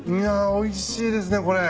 おいしいですね。